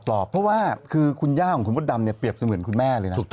ปรอบเพราะว่าคุณย่าของคุณมดำเปรียบเสมือนคุณแม่เลยนะ